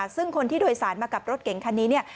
ซึ่งคนที่โดยสารมากับรถเก่งคันนี้เนี่ย